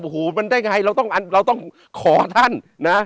โอ้โหมันได้ไงเราต้องขอท่านนะ